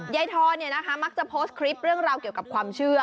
ทอนมักจะโพสต์คลิปเรื่องราวเกี่ยวกับความเชื่อ